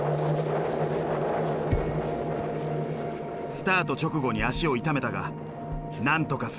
スタート直後に足を痛めたがなんとか進んできた。